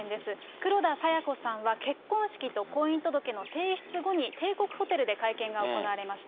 黒田清子さんは結婚式と婚姻届の提出後に、帝国ホテルで会見が行われました。